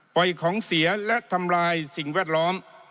ของเสียและทำลายสิ่งแวดล้อม